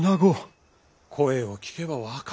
声を聞けば分かろう。